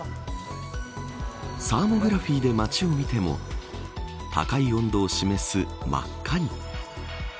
サーモグラフィーで街を見ても高い温度を示す真っ赤に。